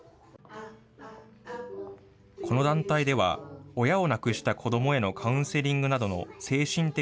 この団体では親を亡くした子どもへのカウンセリングなどの精神的